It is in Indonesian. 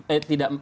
kalau itu sangat